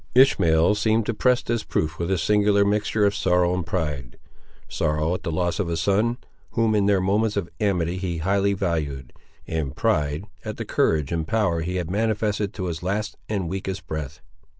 Ishmael seemed to press this proof with a singular mixture of sorrow and pride: sorrow, at the loss of a son, whom in their moments of amity he highly valued; and pride, at the courage and power he had manifested to his last and weakest breath.